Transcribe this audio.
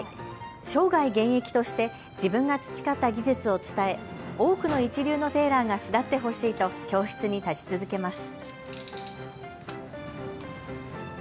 生涯現役として自分が培った技術を伝え多くの一流のテーラーが巣立ってほしいと教室に立ち続けます。